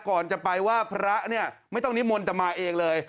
ก่อนจะไปว่าพระเนี่ยไม่ต้องนิมนต์แต่มาเองเลย